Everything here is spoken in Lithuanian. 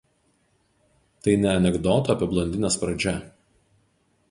Tai ne anekdoto apie blondines pradžia